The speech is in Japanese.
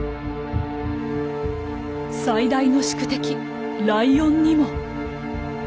最大の宿敵ライオンにも。